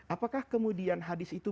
apakah kemudian hadis itu